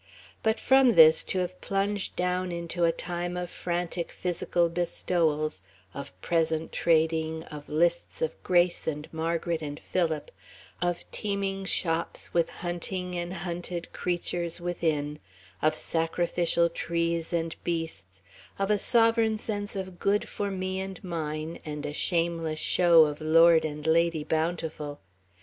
But from this to have plunged down into a time of frantic physical bestowals, of "present trading," of lists of Grace and Margaret and Philip, of teeming shops with hunting and hunted creatures within, of sacrificial trees and beasts, of a sovereign sense of good for me and mine and a shameless show of Lord and Lady Bountiful